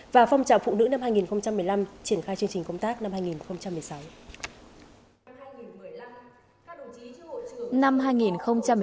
và phong trào phụ nữ năm hai nghìn một mươi năm triển khai chương trình công tác năm hai nghìn một mươi sáu